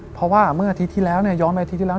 เพราะว่าเมื่ออาทิตย์ที่แล้วย้อนไปอาทิตย์ที่แล้ว